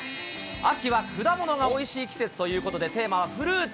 秋は果物がおいしい季節ということで、テーマはフルーツ。